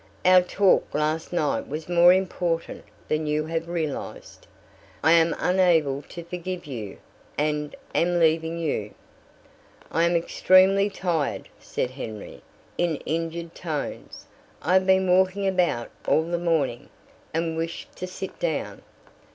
Our talk last night was more important than you have realized. I am unable to forgive you and am leaving you." "I am extremely tired," said Henry, in injured tones. "I have been walking about all the morning, and wish to sit down."